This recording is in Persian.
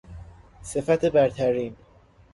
صفت برترین